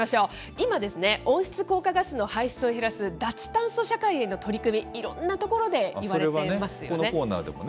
今ですね、温室効果ガスの排出を減らす脱炭素社会への取り組み、いろんなところでいわれていますそれはこのコーナーでもね。